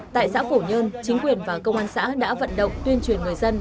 tại xã phổ nhơn chính quyền và công an xã đã vận động tuyên truyền người dân